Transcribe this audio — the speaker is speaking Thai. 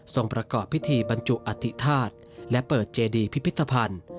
ประกอบพิธีบรรจุอธิษฐาตุและเปิดเจดีพิพิธภัณฑ์